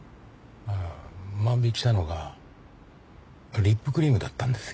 万引きしたのがリップクリームだったんですよ。